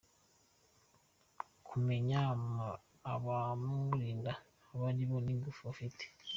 Kumenya abamurinda abo ari bo n’ingufu bafite,